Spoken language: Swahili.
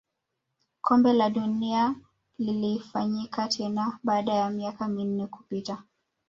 kombe la dunia lilifanyika tena baada ya miaka minne kupita